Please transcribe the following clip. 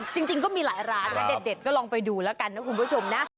จริงก็มีหลายร้านนะเด็ดก็ลองไปดูแล้วกันนะคุณผู้ชมนะ